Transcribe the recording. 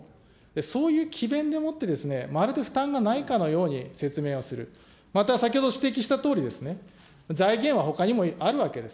そういう奇弁でもって、まるで負担がないかのように説明をする、また先ほど指摘したとおり、財源はほかにもあるわけです。